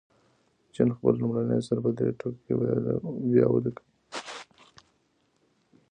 جین خپل لومړنی اثر په درې ټوکه کې بیا ولیکه.